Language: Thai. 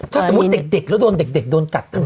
ถ้าสมมุติเด็กแล้วเด็กโดนกัดอะไรได้ปะ